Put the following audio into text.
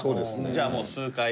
じゃあもう数回。